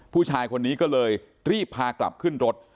ผู้ชายคนนี้ก็เลยรีบพากลับขึ้นรถ